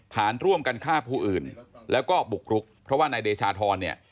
ฐานร่วมกันฆ่าผู้อื่นแล้วก็บุกรุกเพราะว่านายเดชาธรเนี่ย